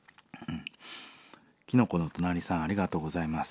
キノコのとなりさんありがとうございます。